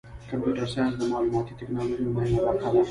کمپیوټر ساینس د معلوماتي تکنالوژۍ یوه مهمه برخه ده.